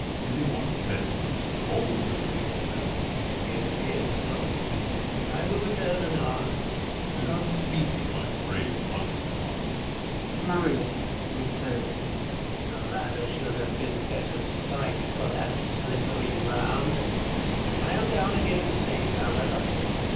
Did they want, then, all the wood for the altar 1 Marius. It appears so — I will return anon. Metellus. The gods speed thee, my brave, honest Marius ! Marius {returned). The ladder should have been better spiked for that slippery ground. I am down again safe, however.